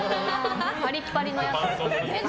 パリッパリのやつ。